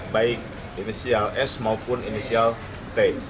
baik inisial s maupun inisial t